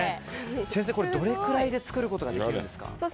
先生、どれくらいで作ることができるんですか？